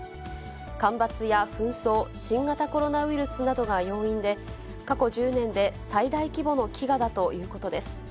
干ばつや紛争、新型コロナウイルスなどが要因で、過去１０年で最大規模の飢餓だということです。